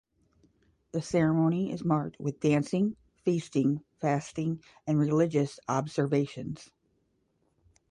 The ceremony is marked with dancing, feasting, fasting and religious observations.